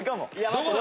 どこだ！？